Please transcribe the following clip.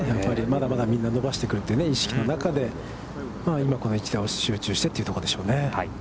まだまだみんな伸ばしてくるという意識の中で、今、この一打に集中してというところでしょうね。